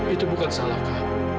itu bukan salah pak